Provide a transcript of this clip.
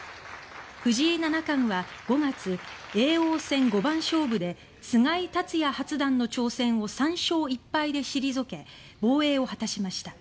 藤井七冠は５月叡王戦五番勝負で菅井竜也八段の挑戦を３勝１敗で退け防衛を果たしました。